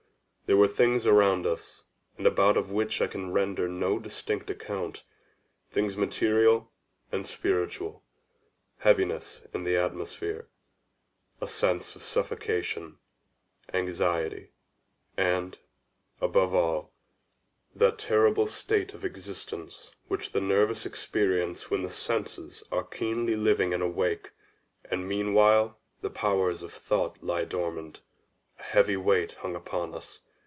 There were things around us and about of which I can render no distinct account—things material and spiritual—heaviness in the atmosphere—a sense of suffocation—anxiety—and, above all, that terrible state of existence which the nervous experience when the senses are keenly living and awake, and meanwhile the powers of thought lie dormant. A dead weight hung upon us.